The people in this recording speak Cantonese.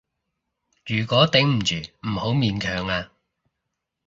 如果頂唔住，唔好勉強啊